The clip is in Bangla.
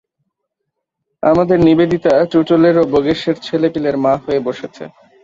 আমাদের নিবেদিতা টুটলের ও বোগেশের ছেলেপিলের মা হয়ে বসেছে।